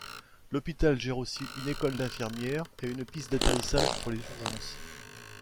L'hôpital gère aussi une école d'infirmières et une piste d'atterrissage pour les urgences.